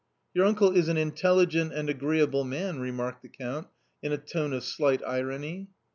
"Your uncle is an intelligent and agreeable man!" re marked the Count in a tone of slight irony.